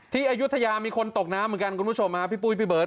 อายุทยามีคนตกน้ำเหมือนกันคุณผู้ชมฮะพี่ปุ้ยพี่เบิร์